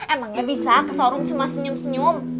emangnya bisa kesorum cuma senyum senyum